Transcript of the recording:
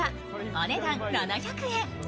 お値段７００円。